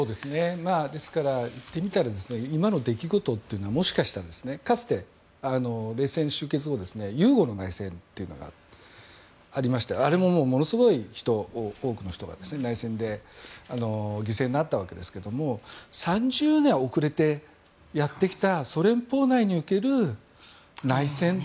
ですから、言ってみたら今の出来事というのはもしかしたらかつて、冷戦終結後ユーゴの内戦というのがありましてあれも、ものすごい多くの人が内戦で犠牲になったわけですが３０年遅れてやってきたソ連邦内における内戦。